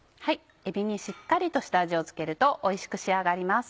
えびにしっかりと下味を付けるとおいしく仕上がります。